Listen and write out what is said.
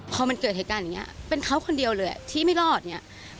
พอมันเกิดเหตุการณ์นี้เขาคนเดียวเลยที่ไม่เรียก